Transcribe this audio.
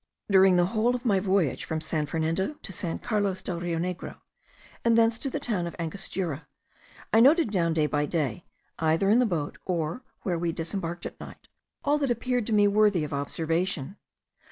During the whole of my voyage from San Fernando to San Carlos del Rio Negro, and thence to the town of Angostura, I noted down day by day, either in the boat or where we disembarked at night, all that appeared to me worthy of observation.